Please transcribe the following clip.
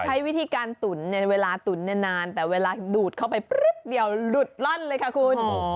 ใช้วิธีการตุ๋นเนี่ยเวลาตุ๋นนานแต่เวลาดูดเข้าไปแป๊บเดียวหลุดล่อนเลยค่ะคุณ